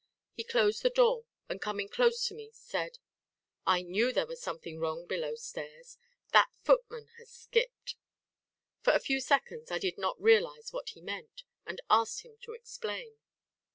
He closed the door and coming close to me said: "I knew there was something wrong below stairs! That footman has skipped!" For a few seconds I did not realise what he meant, and asked him to explain.